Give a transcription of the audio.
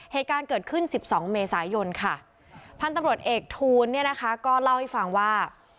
เหตุการณ์เกิดขึ้นสิบสองเมษายนค่ะพันธุ์ตำรวจเอกทูลเนี่ยนะคะก็เล่าให้ฟังว่า